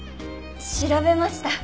調べました。